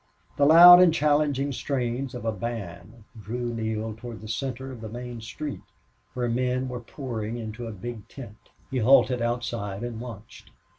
The loud and challenging strains of a band drew Neale toward the center of the main street, where men were pouring into a big tent. He halted outside and watched.